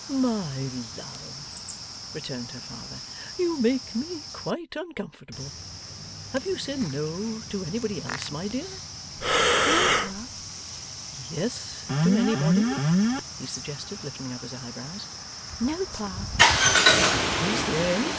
'My love,' returned her father, 'you make me quite uncomfortable. Have you said No to anybody else, my dear?' 'No, Pa.' 'Yes to anybody?' he suggested, lifting up his eyebrows. 'No, Pa.